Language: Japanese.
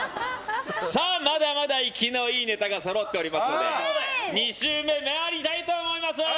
まだまだ生きのいいネタがそろっておりますので２周目に参りたいと思います。